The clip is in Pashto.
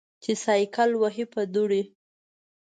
چې سایکل وهې په دوړې.